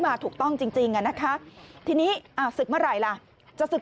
มาถูกต้องจริงอ่ะนะคะทีนี้ศึกเมื่อไหร่ล่ะจะศึก